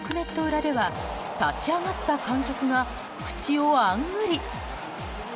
裏では立ち上がった観客が口をあんぐり。